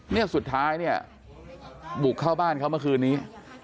เนี่ยสุดท้ายเนี่ยบุกเข้าบ้านเขาเมื่อคืนนี้